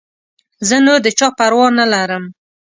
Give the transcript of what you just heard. زه نور د چا پروا نه لرم.